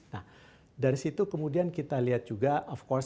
nah dari situ kemudian kita lihat juga of course